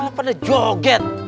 malah pada joget